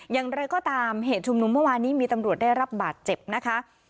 อย่างไรก็ตามเหตุชุมนุมเมื่อวานนี้มีตำรวจได้รับบาดเจ็บนะคะ